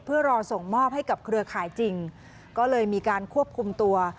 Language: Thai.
เพื่อรอส่งมอบให้กับเครือข่ายจริงก็เลยมีการควบคุมตัว